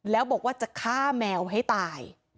แล้วบอกว่าจะฆ่าแมวให้ตาย